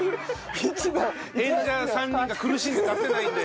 演者３人が苦しんで出せないんで。